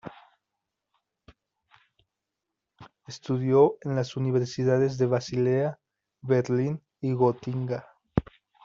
Estudió en las universidades de Basilea, Berlín y Gotinga.